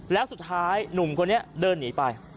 แล้วสุดท้ายหนุ่มคนนี้เดินหนีไป